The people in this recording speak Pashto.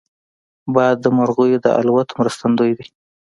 باد د مرغیو د الوت مرستندوی دی